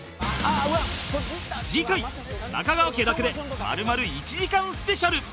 次回中川家だけで丸々１時間スペシャル